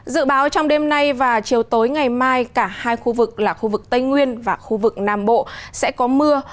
dự báo trong đêm nay và chiều tối ngày mai cả hai khu vực là khu vực tây nguyên và khu vực nam bộ sẽ có mưa